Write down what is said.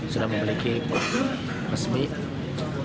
sudah memiliki resmi